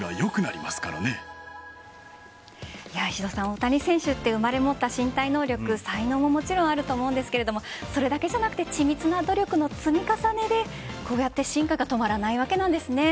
大谷選手って生まれ持った身体能力才能ももちろんあると思うんですがそれだけじゃなく緻密な努力の積み重ねでこうやって進化が止まらないわけなんですね。